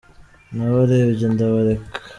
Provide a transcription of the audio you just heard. nabarebye ndabareka.